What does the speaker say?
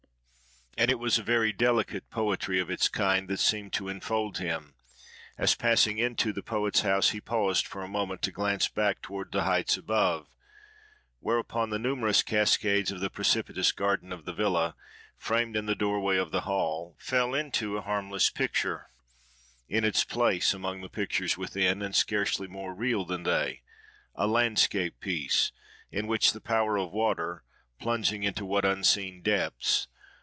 And it was a very delicate poetry of its kind that seemed to enfold him, as passing into the poet's house he paused for a moment to glance back towards the heights above; whereupon, the numerous cascades of the precipitous garden of the villa, framed in the doorway of the hall, fell into a harmless picture, in its place among the pictures within, and scarcely more real than they—a landscape piece, in which the power of water (plunging into what unseen depths!)